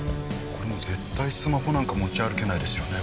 これ絶対スマホなんか持ち歩けないですよね